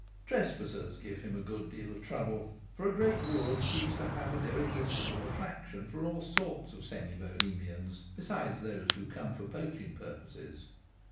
Trespassers give him a good deal of trouble, for a great wood seems to have an irresistible attraction for all sorts of semi Bohemians, besides those who come for poaching purposes.